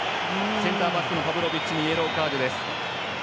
センターバックのパブロビッチにイエローカードです。